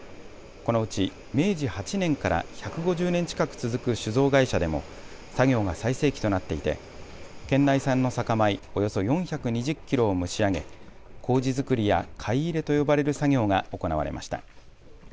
このうち明治８年から１５０年近く続く酒造会社でも作業が最盛期となっていて県内産の酒米、およそ４２０キロを蒸し上げこうじ作りや、かい入れと呼ばれる作業が行われました。